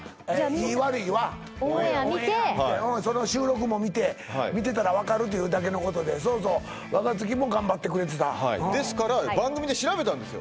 いい悪いはオンエア見てオンエア見てその収録も見て見てたら分かるていうだけのことでそうそう若槻も頑張ってくれてたですから番組で調べたんですよ